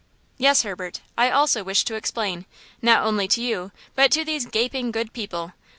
"Yes, Herbert; I also wish to explain–not only to you but to these gaping, good people!